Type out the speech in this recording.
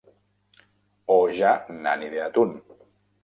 O ja n'han ideat un.